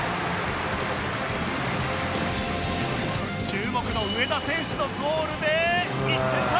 注目の上田選手のゴールで１点差